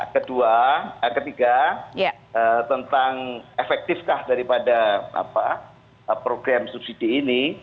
kedua ketiga tentang efektifkah daripada program subsidi ini